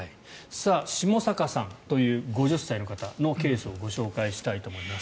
下坂さんという５０歳の方のケースをご紹介したいと思います。